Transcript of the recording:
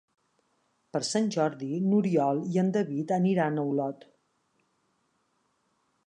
Per Sant Jordi n'Oriol i en David aniran a Olot.